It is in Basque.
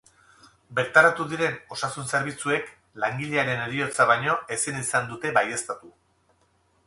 Bertaratu diren osasun zerbitzuek langilearen heriotza baino ezin izan dute baieztatu.